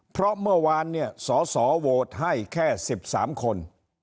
เพราะเมื่อวานเนี่ยสสโหวตให้แค่๑๓คน